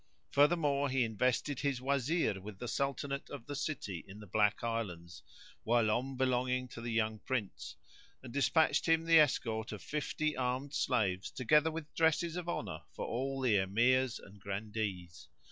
Furthermore he invested his Wazir with the Sultanate of the City in the Black Islands whilome belonging to the young Prince, and dispatched with him the escort of fifty armed slaves together with dresses of honour for all the Emirs and Grandees.